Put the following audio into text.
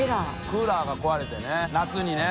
クーラーが壊れてね夏にね。